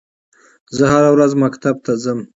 زه هره ورځ مکتب ته ځم